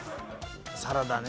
サラダね。